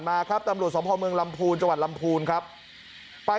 ๒๐บาทอ่ะนะฮะ